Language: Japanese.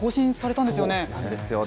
そうなんですよね。